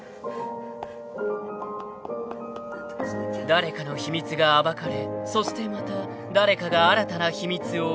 ［誰かの秘密が暴かれそしてまた誰かが新たな秘密を生む］